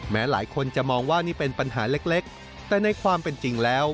หลายคนจะมองว่านี่เป็นปัญหาเล็กแต่ในความเป็นจริงแล้ว